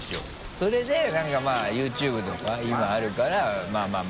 それで何かまぁＹｏｕＴｕｂｅとか今あるからまぁまぁ。